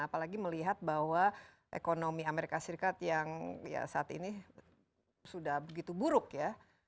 apalagi melihat bahwa ekonomi amerika serikat yang saat ini sudah begitu buruk ya